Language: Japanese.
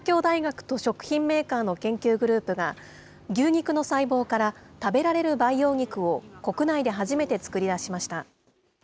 東京大学と食品メーカーの研究グループが、牛肉の細胞から食べられる培養肉を国内で初めて作り出しました。